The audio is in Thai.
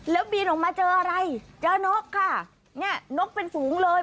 แล้วบินออกมาเจออะไรเจอนกค่ะเนี่ยนกเป็นฝูงเลย